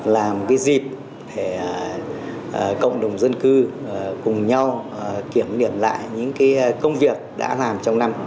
là một dịp để cộng đồng dân cư cùng nhau kiểm điểm lại những công việc đã làm trong năm